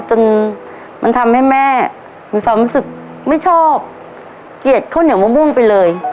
จนมันทำให้แม่มีความรู้สึกไม่ชอบเกลียดข้าวเหนียวมะม่วงไปเลย